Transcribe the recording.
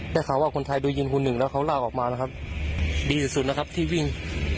ได้ข่าวว่าคนไทยดูยิงคุณหนึ่งแล้วเขาลากออกมานะครับดีที่สุดนะครับที่วิ่ง